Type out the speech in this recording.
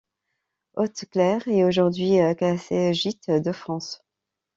Haute-Claire est aujourd'hui classé gîte de France.